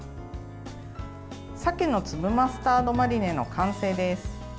鮭の粒マスタードマリネの完成です。